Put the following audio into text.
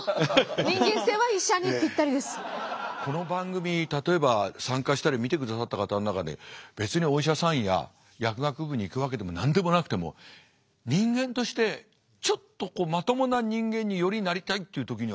この番組例えば参加したり見てくださった方の中で別にお医者さんや薬学部に行くわけでも何でもなくても人間としてちょっと勉強になる。